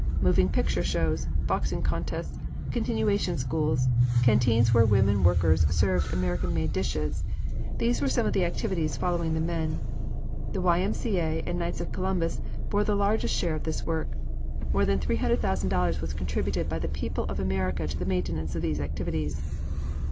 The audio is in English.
Moving picture shows, boxing contests, continuation schools, canteens where women workers served American made dishes these were some of the activities following the men. The Y. M. C. A. and Knights of Columbus bore the largest share of this work. More than $300,000,000 was contributed by the people of America to the maintenance of these activities.